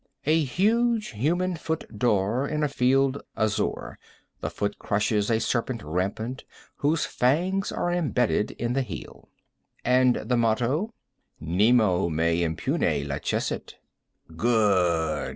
"A huge human foot d'or, in a field azure; the foot crushes a serpent rampant whose fangs are imbedded in the heel." "And the motto?" "Nemo me impune lacessit." "Good!"